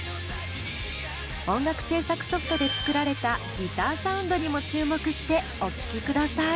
音楽制作ソフトで作られたギターサウンドにも注目してお聴きください。